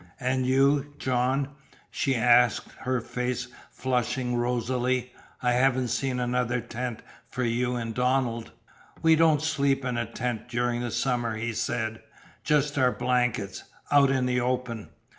"And you, John?" she asked, her face flushing rosily. "I haven't seen another tent for you and Donald." "We don't sleep in a tent during the summer," he said. "Just our blankets out in the open."